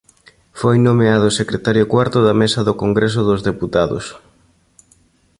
Foi nomeado secretario cuarto da mesa do Congreso dos Deputados.